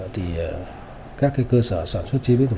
thì các cơ sở sản xuất hiện rất là nhiều